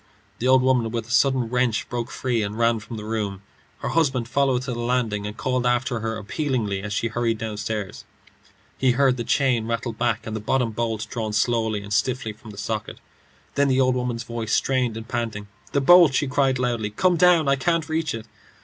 The old woman with a sudden wrench broke free and ran from the room. Her husband followed to the landing, and called after her appealingly as she hurried downstairs. He heard the chain rattle back and the bottom bolt drawn slowly and stiffly from the socket. Then the old woman's voice, strained and panting. "The bolt," she cried, loudly. "Come down. I can't reach it."